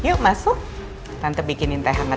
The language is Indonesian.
kalau putri sama pangeran udah jadi yang